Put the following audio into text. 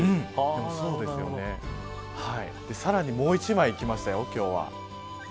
さらにもう１枚きましたよ今日は。